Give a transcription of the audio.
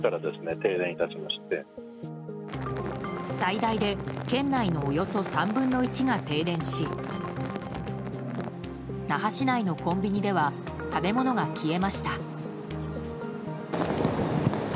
最大で県内のおよそ３分の１が停電し那覇市内のコンビニでは食べ物が消えました。